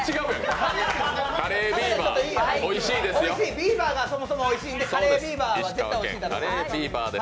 ビーバーがそもそもおいしいのでカレービーバーは絶対おいしいです。